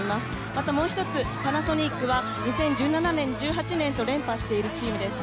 またもう一つ、パナソニックは２０１７年、１８年と連覇しているチームです。